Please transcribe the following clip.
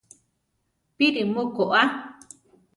¿Píri mu koʼa?